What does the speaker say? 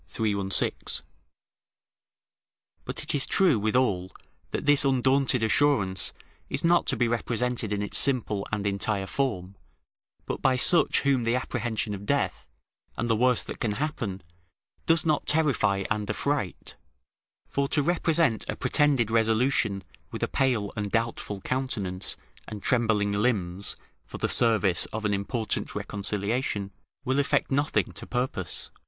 316.] But it is true, withal, that this undaunted assurance is not to be represented in its simple and entire form, but by such whom the apprehension of death, and the worst that can happen, does not terrify and affright; for to represent a pretended resolution with a pale and doubtful countenance and trembling limbs, for the service of an important reconciliation, will effect nothing to purpose.